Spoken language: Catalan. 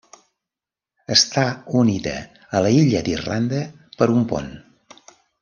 Està unida a l'illa d'Irlanda per un pont.